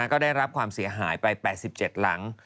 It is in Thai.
ก็ได้รับความเสียหายไป๘๗หลัง